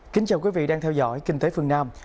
kính chào quý vị đang theo dõi kinh tế phương nam